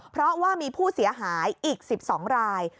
เพราะว่ามีผู้เสียหายอีก๑๒ราย